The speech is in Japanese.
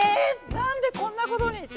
何でこんなことにって。